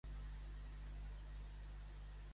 Ni maig sense ploguda, ni privat sense caiguda.